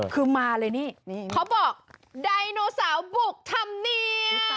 คือมาเลยนี่นี่เค้าบอกไดโนเสาร์บุกธำเนียบนี่